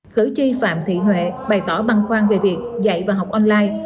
cử tri phạm thị huệ bày tỏ băng khoan về việc dạy và học online